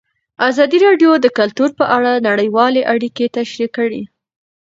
ازادي راډیو د کلتور په اړه نړیوالې اړیکې تشریح کړي.